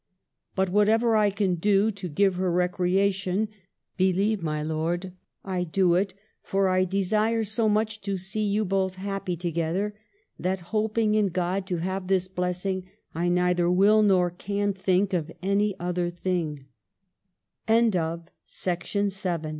But whatever I can do to give her recreation, believe, my lord, I do it ; for I desire so much to see you both happy together, that, hoping in God to have this blessing, I neither will nor can think of any other